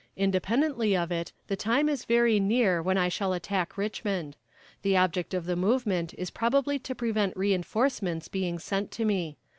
Independently of it, the time is very near when I shall attack Richmond. The object of the movement is probably to prevent reinforcements being sent to me.